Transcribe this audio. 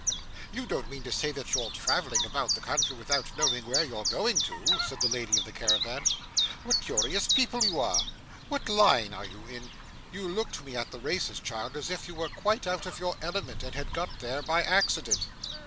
'You don't mean to say that you're travelling about the country without knowing where you're going to?' said the lady of the caravan. 'What curious people you are! What line are you in? You looked to me at the races, child, as if you were quite out of your element, and had got there by accident.